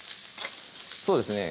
そうですね